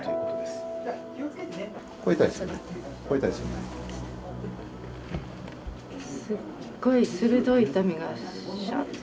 すっごい鋭い痛みがシャッと。